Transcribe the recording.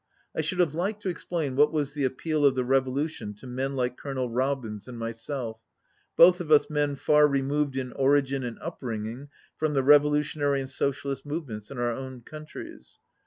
I should have liked to explain what was the appeal of the revo lution to men like Colonel Robins and myself, both of us men far removed in origin and upbring ing from the revolutionary and socialist move ments in our own countries.